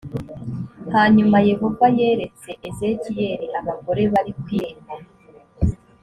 hanyuma yehova yeretse ezekiyeli abagore bari ku irembo